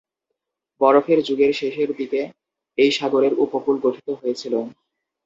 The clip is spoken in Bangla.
বরফের যুগের শেষের দিকে এই সাগরের উপকূল গঠিত হয়েছিল।